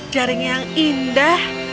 jaring yang indah